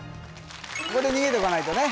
ここで逃げとかないとね